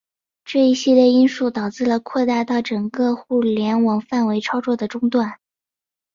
这一系列因素导致了扩大到整个互联网范围操作的中断。